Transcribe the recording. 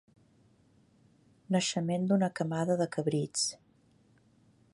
Naixement d'una camada de cabrits.